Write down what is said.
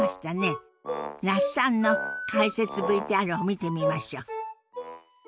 那須さんの解説ＶＴＲを見てみましょう。